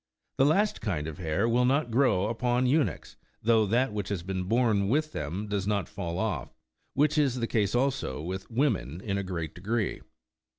The last kind of hair will not grow upon eunuchs, though that which has been born with them does not fall off; which is the case also with women, in a great degree.